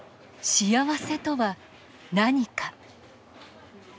幸せとは何か。